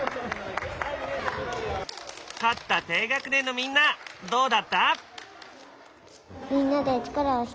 勝った低学年のみんなどうだった？